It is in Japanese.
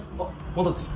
まだです。